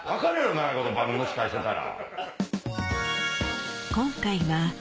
長いこと番組の司会してたら。